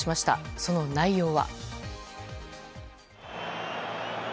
その内容は。